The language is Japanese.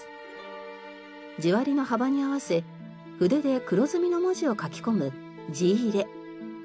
字割りの幅に合わせ筆で黒墨の文字を書き込む字入れ。